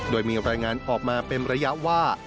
โดยมีรายงานออกมาเป็นระยะว่า